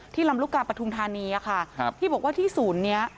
ที่ลำลูกกาปทรุงทานีที่บอกว่าที่ศูนย์นี้